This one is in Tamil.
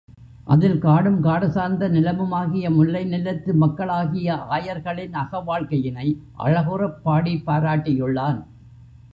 அதில், காடும் காடு சார்ந்த நிலமுமாகிய முல்லை நிலத்து மக்களாகிய ஆயர்களின் அகவாழ்க்கையினை அழகுறப் பாடிப் பாராட்டியுள்ளான்.